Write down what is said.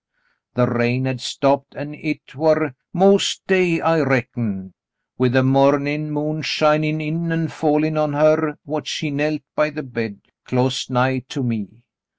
The rain had stopped an' hit war mos' day, I reckon, with a mornin' moon shinin' in an' fallin' on her whar she knelt by the bed, clost nigh to me.